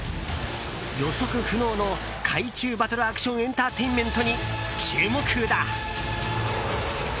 予測不能の海中バトルアクションエンターテインメントに注目だ！